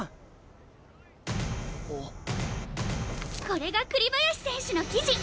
これが栗林選手の記事！